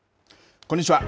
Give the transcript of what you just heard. こんにちは。